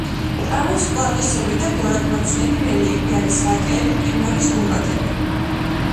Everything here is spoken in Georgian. ჭარბობს პლატოსებრი და გორაკ-ბორცვიანი რელიეფი, არის ვაკეები, მყინვარის გუმბათები.